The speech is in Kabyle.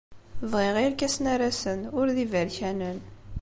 Bɣiɣ irkasen arasen, ur d iberkanen.